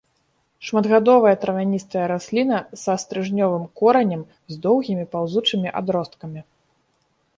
Шматгадовая травяністая расліна са стрыжнёвым коранем з доўгімі паўзучымі адросткамі.